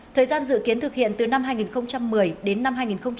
thời gian dự kiến thực hiện từ năm hai nghìn một mươi đến năm hai nghìn một mươi tám